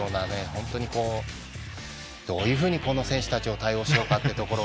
本当にどういうふうにこの選手たちを対応しようかというところ。